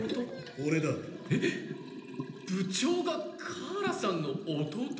俺だ部長がカーラさんの弟！？